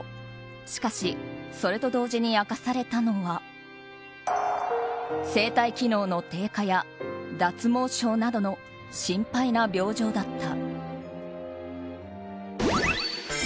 しかしそれと同時に明かされたのは声帯機能の低下や脱毛症などの心配な病状だった。